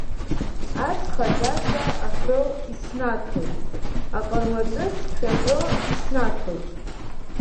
Аҵх аӡаӡа аҳәо иснаҭоит, Аҟармаҵыс шәаҳәо иснаҭоит.